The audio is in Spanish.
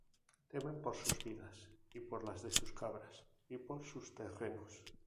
Temen por sus vidas y por la de sus cabras, y por sus terrenos.